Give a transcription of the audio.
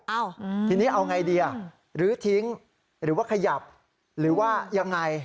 อ้าวทีนี้เอาไงดีอ่ะลื้อทิ้งหรือว่าขยับหรือว่ายังไง